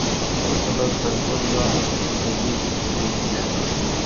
کچھ سبق حزب اللہ سے بھی سیکھ لیں۔